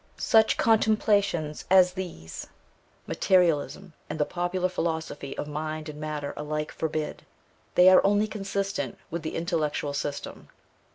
Such contemplations as these, materialism and the popular philosophy of mind and matter alike forbid; they are only consistent with the intellectual system.